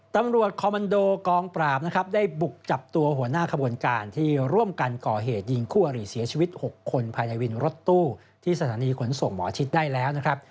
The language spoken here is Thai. ตำรวจคอมมันโดกองปราบนะครับได้บุกจับตัวหัวหน้าขบวนการที่ร่วมกันก่อเหตุยิงคู่อริเสียชีวิต๖คนภายในวินรถตู้ที่สถานีขนส่งหมอชิดได้แล้วนะครับ